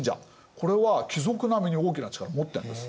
これは貴族並みに大きな力を持ってるんです。